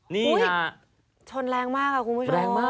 นี่ค่ะอุ้ยชนแรงมากอะคุณผู้ชม